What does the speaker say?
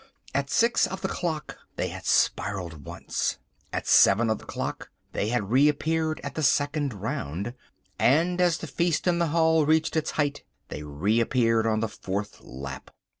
At six of the clock they had spiralled once. At seven of the clock they had reappeared at the second round, and as the feast in the hall reached its height, they reappeared on the fourth lap.